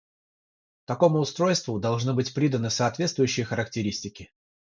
Такому устройству должны быть приданы соответствующие характеристики.